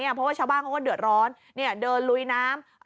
เพราะว่าชาวบ้านเขาก็เดือดร้อนเดินลุยน้ำ